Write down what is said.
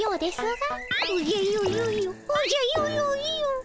おじゃよよよおじゃよよよ。